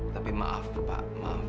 tapi maaf pak